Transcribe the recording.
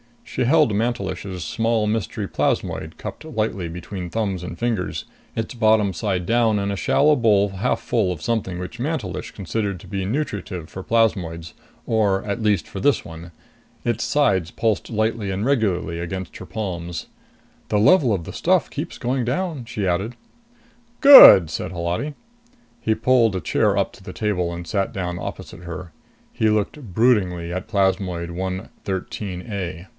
She held Mantelish's small mystery plasmoid cupped lightly between thumbs and fingers, its bottom side down in a shallow bowl half full of something which Mantelish considered to be nutritive for plasmoids, or at least for this one. Its sides pulsed lightly and regularly against her palms. "The level of the stuff keeps going down," she added. "Good," said Holati. He pulled a chair up to the table and sat down opposite her. He looked broodingly at plasmoid 113 A.